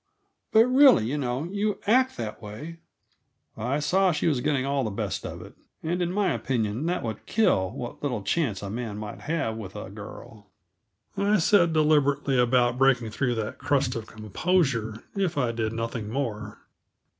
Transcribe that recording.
But, really, you know, you act that way." I saw she was getting all the best of it and, in my opinion, that would kill what little chance a man might have with a girl. I set deliberately about breaking through that crust of composure, if I did nothing more.